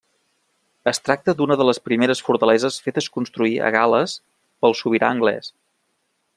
Es tracta d'una de les primeres fortaleses fetes construir a Gal·les pel sobirà anglès.